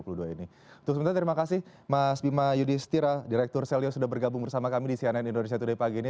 untuk sementara terima kasih mas bima yudhistira direktur selyo sudah bergabung bersama kami di cnn indonesia today pagi ini